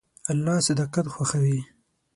الله صداقت خوښوي.